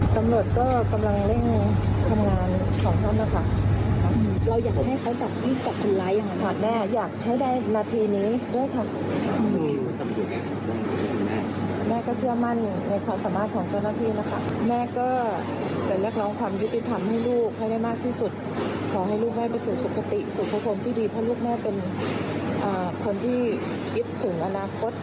อยากจะติสู่ภพภูมิที่ดีถ้าลูกแม่เป็นคนที่คิดถึงอนาคต